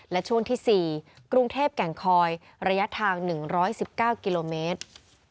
และช่วงที่๔กรุงเทพแก่งคอยระยะทาง๑๑๙กิโลเมตร